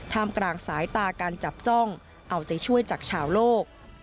มกลางสายตาการจับจ้องเอาใจช่วยจากชาวโลก